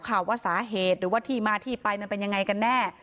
ค่ะว่าสาเหตุหรือว่าที่มาที่ไปมันเป็นยังไงกันแน่